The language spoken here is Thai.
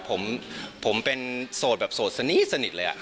ผมเป็นโสดแบบโสดสนิทเลย